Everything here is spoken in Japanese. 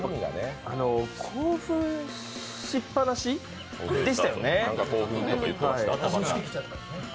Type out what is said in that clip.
興奮しっぱなし？でしたよね。